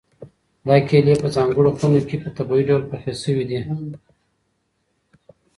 دا کیلې په ځانګړو خونو کې په طبیعي ډول پخې شوي دي.